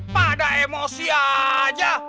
pada emosi aja